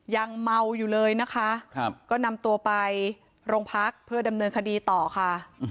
ยังเมาอยู่เลยนะคะก็นำตัวไปโรงพักเพื่อดำเนินคดีต่อค่ะ